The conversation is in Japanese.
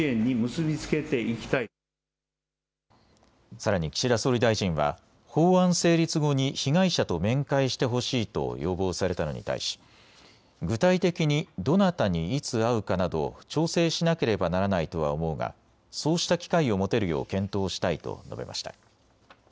さらに岸田総理大臣は法案成立後に被害者と面会してほしいと要望されたのに対し具体的にどなたにいつ会うかなど調整しなければならないとは思うがそうした機会を持てるよう検討したいと述べました。